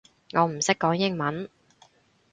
我唔識講英文